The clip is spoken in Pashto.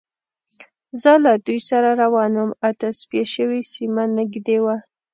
زه له دوی سره روان وم او تصفیه شوې سیمه نږدې وه